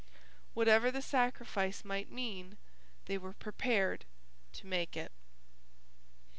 Whatever the sacrifice might mean, they were prepared to make it.